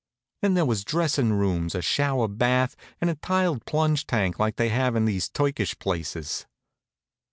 Then there was dressin' rooms, a shower bath, and a tiled plunge tank like they have in these Turkish places.